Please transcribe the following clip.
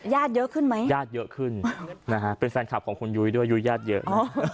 เยอะขึ้นไหมญาติเยอะขึ้นนะฮะเป็นแฟนคลับของคุณยุ้ยด้วยอายุญาติเยอะ